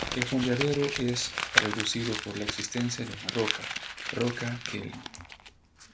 El fondeadero es reducido por la existencia de una roca, roca Kelly.